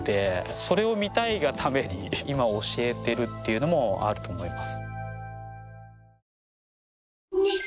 それを見たいがために今教えてるっていうのもあると思います。